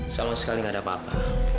sama sekali gak ada apa apa